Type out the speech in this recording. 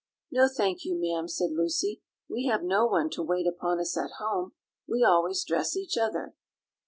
"No, thank you, ma'am," said Lucy; "we have no one to wait upon us at home; we always dress each other."